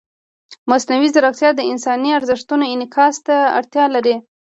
مصنوعي ځیرکتیا د انساني ارزښتونو انعکاس ته اړتیا لري.